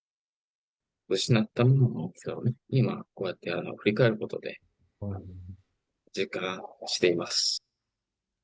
失ったものの大きさは、今こうやって振り返ることで、実感しています。